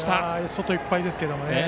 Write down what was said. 外いっぱいですけどね。